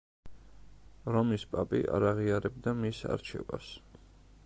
რომის პაპი არ აღიარებდა მის არჩევას.